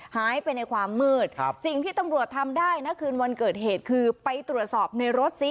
หายไปในความมืดสิ่งที่ตำรวจทำได้นะคืนวันเกิดเหตุคือไปตรวจสอบในรถซิ